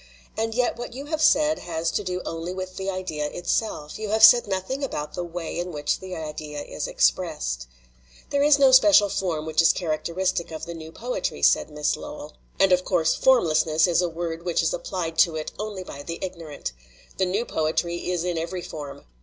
And yet what you have said has to do only with the idea itself. You have said nothing about the way in which the idea is expressed." "There is no special form which is characteristic of the new poetry, '' said Miss Lowell, '' and of course 'formlessness' is a word which is applied to it only by the ignorant. The new poetry is in every form.